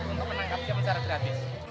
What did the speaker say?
untuk menangkapnya secara gratis